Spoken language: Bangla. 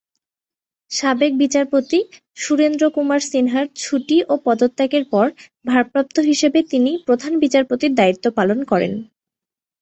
সাবেক বিচারপতি সুরেন্দ্র কুমার সিনহার ছুটি ও পদত্যাগের পর ভারপ্রাপ্ত হিসেবে তিনি প্রধান বিচারপতির দায়িত্ব পালন করেন।